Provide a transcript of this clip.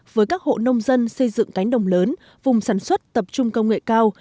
với các hộ nông dân xây dựng cánh đồng lớn vùng sản xuất tập trung công nghệ cao